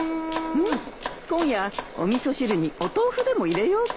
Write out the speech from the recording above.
今夜お味噌汁にお豆腐でも入れようか。